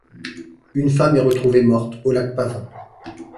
Une femme est retrouvée morte au lac Pavin.